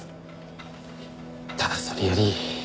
ただそれより。